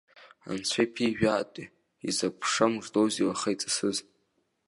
Анцәа иԥижәааите, изакә ԥша мыждоузеи уаха иҵысыз!